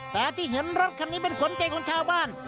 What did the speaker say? แต่ที่เห็นรถคันนี้เป็นขวัญใจของชาวบ้าน